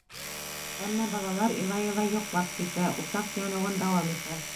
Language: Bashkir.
Әммә балалар илай-илай йоҡлап китә, усаҡ яныуын дауам итә.